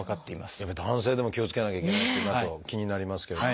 やっぱり男性でも気をつけなきゃいけないとなると気になりますけれども。